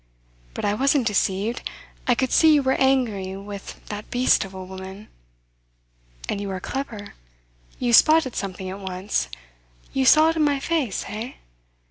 "But I wasn't deceived. I could see you were angry with that beast of a woman. And you are clever. You spotted something at once. You saw it in my face, eh?